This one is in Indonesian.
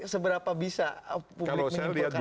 seberapa bisa publik menyuruhkan itu